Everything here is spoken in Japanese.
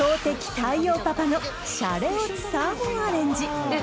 太陽パパのシャレオツサーモンアレンジえっ